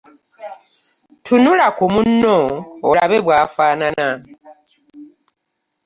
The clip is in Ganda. Tunula ku munno olabe bw'afaanana.